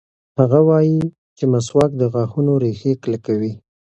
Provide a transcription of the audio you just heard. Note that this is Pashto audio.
هغه وایي چې مسواک د غاښونو ریښې کلکوي.